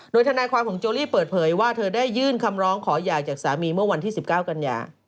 โดยทนายความของโจลี่เปิดเผยว่าเธอได้ยื่นคำร้องขอหย่าจากสามีเมื่อวันที่๑๙กันยา